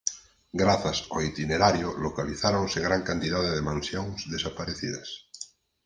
Grazas ó itinerario localizáronse gran cantidade de mansións desaparecidas.